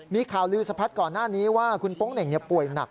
มีข่าวลือสะพัดก่อนหน้านี้ว่าคุณโป๊งเหน่งป่วยหนัก